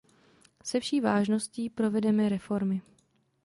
Se vší vážností provedeme reformy.